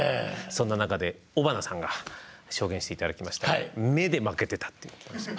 そんな中で尾花さんが証言して頂きましたが「目で負けてた」っていうふうに言ってました。